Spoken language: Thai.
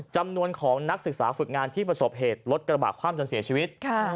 จำนวนของนักศึกษาฝึกงานที่ประสบเหตุรถกระบะคว่ำจนเสียชีวิต